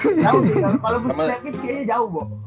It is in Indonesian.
kalau pucewicz c nya jauh bo